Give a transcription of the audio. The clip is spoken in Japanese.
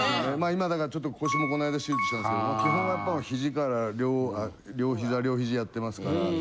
今だから腰もこないだ手術したんですけど基本はやっぱ肘から両膝両肘やってますから。